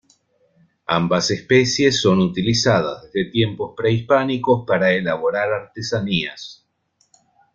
Ambas especies son utilizadas desde tiempos prehispánicos para elaborar artesanías.